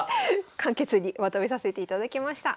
簡潔にまとめさせていただきました。